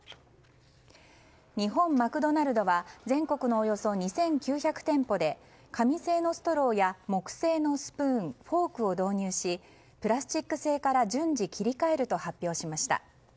日本マクドナルドは全国のおよそ２９００店舗で紙製のストローや木製のスプーンフォークを導入しプラスチック製から順次切り替えると発表しました。